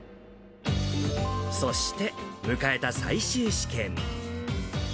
そして迎えた最終試験。